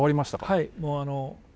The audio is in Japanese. はい。